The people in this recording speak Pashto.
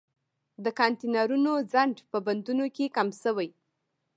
د کانټینرونو ځنډ په بندرونو کې کم شوی